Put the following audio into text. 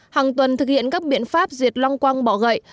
hai hàng tuần thực hiện các biện pháp duyệt long quang bọ gậy